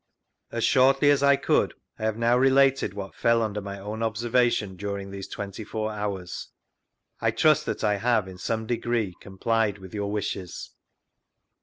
As shortly as I could I have now related what fell under my own observation during these twenty four hours ... I trust that I have, in some degree, complied with your wishes.